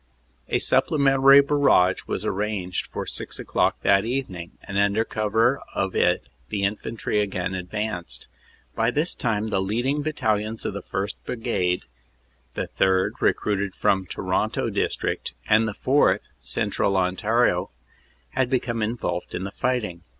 "A supplementary barrage was arranged for six o clock that evening, and under cover of it the infantry again advanced. By this time the leading battalions of the 1st. Brigade the 3rd., recruited from Toronto district, and the 4th., Central Ontario had become involved in the fighting.